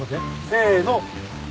せの。